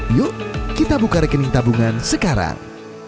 yuk kita buka rekening tabungan sekarang